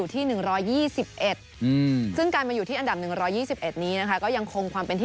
ที่๑๒๑ซึ่งการมาอยู่ที่อันดับ๑๒๑นี้นะคะก็ยังคงความเป็นที่